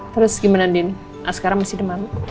terus gimana din sekarang masih demam